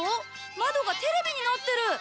窓がテレビになってる！